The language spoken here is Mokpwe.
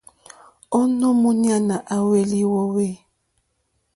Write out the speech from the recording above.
Ònô múɲánà à hwélì wòòwê.